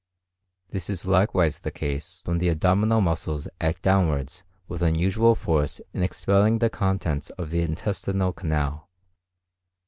This is likewise the case when the abdominal muscles act downwards with unusual force in expelling the contents of the intestinal canal.